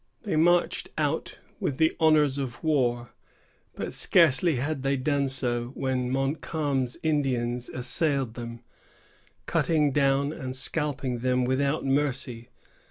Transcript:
They marched out with the honors of war; but scarcely had they done so, when Montcalm's Indians assailed them, cutting down and scalping them without mercy.